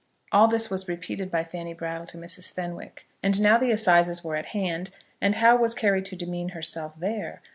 All this was repeated by Fanny Brattle to Mrs. Fenwick; and now the assizes were at hand, and how was Carry to demean herself there?